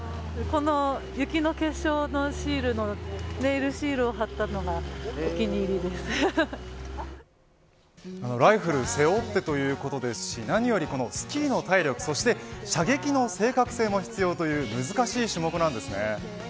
この雪の結晶のシールのネイルシールを貼ったのもライフルを背負ってということですし何よりこの、スキーの体力そして射撃の正確性も必要という難しい種目ですね。